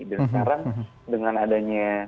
dan sekarang dengan adanya